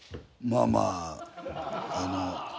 まあまああの。